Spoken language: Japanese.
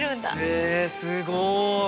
へえすごい。